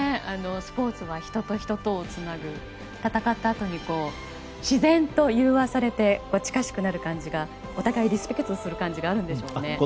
スポーツは人と人とをつなぐ戦ったあとに自然と融和されて近しくなる感じがお互いリスペクトする感じがあるんでしょうね。